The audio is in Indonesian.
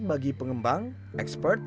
bagi pengembang expert